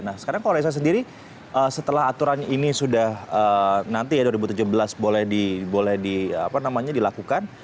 nah sekarang kalau reza sendiri setelah aturan ini sudah nanti ya dua ribu tujuh belas boleh dilakukan